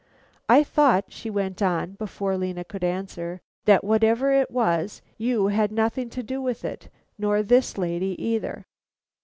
"I thought" she went on before Lena could answer "that whatever it was, you had nothing to do with it, nor this lady either."